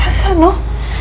ya yaudah noh